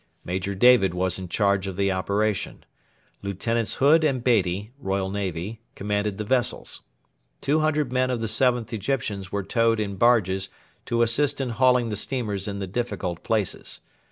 Major David was in charge of the operation. Lieutenants Hood and Beatty (Royal Navy) commanded the vessels. Two hundred men of the 7th Egyptians were towed in barges to assist in hauling the steamers in the difficult places.